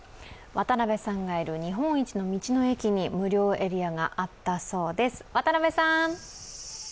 渡部さんがいる、日本一の道の駅に無料エリアがあったそうです。